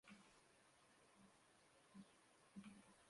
Manuel Bernades i Rovira va ser un polític nascut a Camprodon.